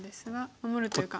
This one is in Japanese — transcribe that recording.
守るというか。